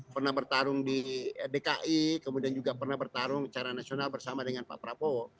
pernah bertarung di dki kemudian juga pernah bertarung secara nasional bersama dengan pak prabowo